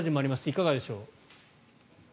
いかがでしょう。